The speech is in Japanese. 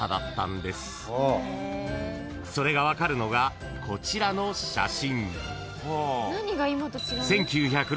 ［それが分かるのがこちらの写真］